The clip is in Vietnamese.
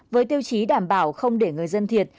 với tiêu chí đảm bảo không để người dân thiệt